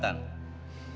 tetap pada gugatan